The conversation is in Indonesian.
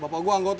bapak gua anggota